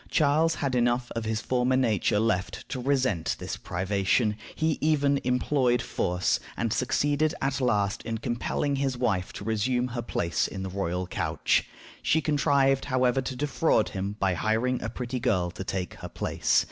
Charles had enough of his former nature left to resent this privation. He even employed force, and succeeded at last in compelling his wife to resume her place in the royal couch. She contrived, however, to defraud him by hiring a pretty girl to take her place.